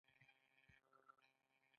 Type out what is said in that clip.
هغه دا پنځه اصول د ځان په ګټه بولي.